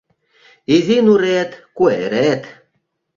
Изи нурет — куэрет